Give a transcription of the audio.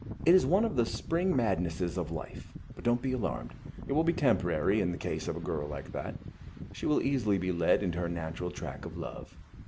It is one of the spring madnesses of life; but don't be alarmed, it will be temporary in the case of a girl like that. She will easily be led into her natural track of love.